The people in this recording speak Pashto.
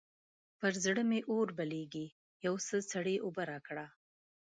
پر زړه مې اور بلېږي؛ يو څه سړې اوبه راکړه.